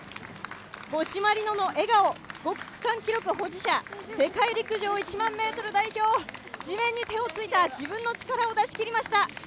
五島莉乃の笑顔、５区区間記録保持者、世界陸上１００００ｍ代表、地面に手をついた、自分の力を出し切りました。